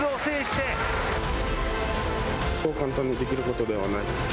そう簡単にできることはない。